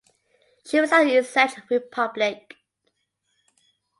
She resides in Czech Republic.